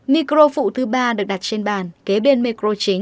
micro phụ thứ ba được đặt trên bàn kế bên micro chính